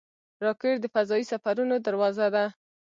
راکټ د فضايي سفرونو دروازه ده